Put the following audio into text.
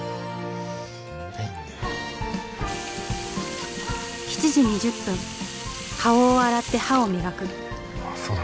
はい７時２０分顔を洗って歯を磨くあっそうだ